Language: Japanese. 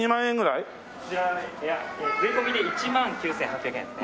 いや税込みで１万９８００円ですね。